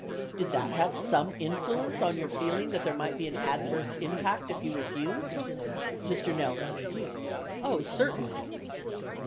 Did that have some influence on your feeling that there might be an adverse impact if you refused ? Mr. Nelson. Oh, certainly.